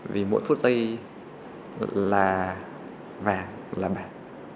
vì mỗi phút tây là vàng là bạc